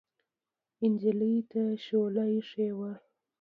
نجلۍ ته شوله اېښې وه.